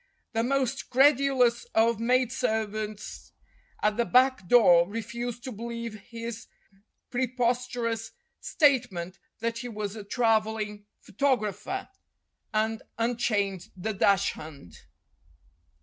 The most credulous of maid servants at the back door refused to believe his preposterous state ment that he was a travelling photographer, and un chained the dachshund.